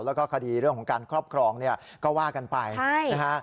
แล้วก็คดีเรื่องของการครอบครองเนี่ยก็ว่ากันไปนะฮะ